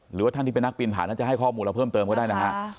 หรือว่าท่านที่เป็นนักปีนผ่านท่านจะให้ข้อมูลเราเพิ่มเติมก็ได้นะฮะ